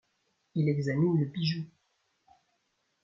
Il examine le bijou.